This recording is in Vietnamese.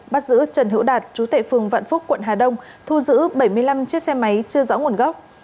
bắt giữ trần hữu đạt chú tệ phường vạn phúc quận hà đông thu giữ bảy mươi năm chiếc xe máy chưa rõ nguồn gốc